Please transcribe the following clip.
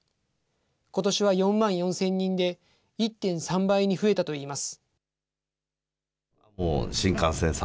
ことしは４万４０００人で、１．３倍に増えたといいます。